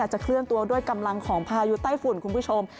จะเคลื่อนตัวด้วยกำลังของพายุใต้ฝุ่นคุณผู้ชม